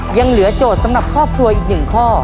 ยังเหลือโจทย์สำหรับครอบครัวอีก๑ข้อ